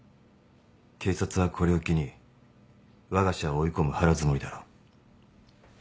警察はこれを機にわが社を追い込む腹積もりだろ。